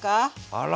あら！